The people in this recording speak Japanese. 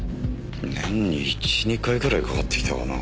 年に１２回ぐらいかかってきたかな。